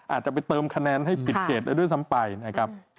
อาจจะไปเติมคะแนนให้ปิดเขตได้ด้วยซ้ำไปนะครับ